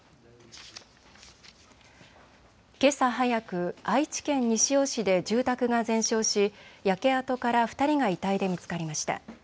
けさ早く、愛知県西尾市で住宅が全焼し、焼け跡から２人が遺体で見つかりました。